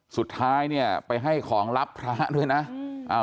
สุดท้ายเนี่ยไปให้ของรับพระด้วยนะ